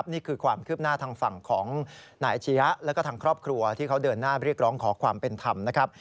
นี่คือความคืบหน้าทางฝั่งของนายเชียและทางครอบครัวที่เขาเดินหน้าขอความเป็นคำ